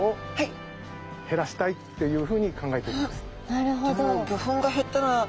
なるほど。